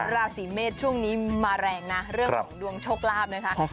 ราศีเมษช่วงนี้มาแรงนะเรื่องของดวงโชคลาภนะคะ